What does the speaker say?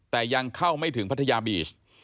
แต่ยังเข้าไม่ถึงพัทยาบีช